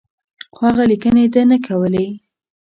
خو هغه لیکني ده نه کولې.